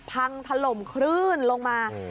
พังถล่มคลื่นลงมา